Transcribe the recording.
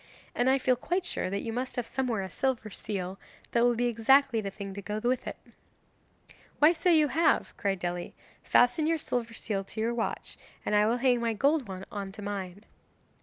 And I feel quite sure that you must have somewhere a silver seal, that will be exactly the thing to go with it.' 'Why, so you have,' cried Dely; 'fasten your silver seal to your watch, and I will hang my gold one on to mine.